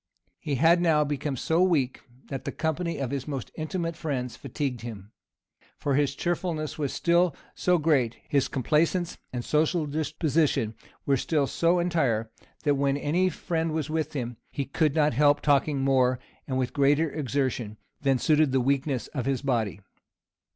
He had now become so very weak, that the company of his most intimate friends fatigued him; for his cheerfulness was still so great, his complaisance and social disposition were still so entire, that when any friend was with him, he could not help talking more, and with greater exertion, than suited the weakness of his body.